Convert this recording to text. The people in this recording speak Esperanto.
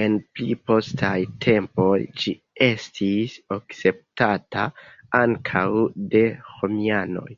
En pli postaj tempoj ĝi estis akceptata ankaŭ de romianoj.